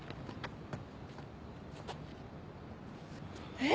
えっ！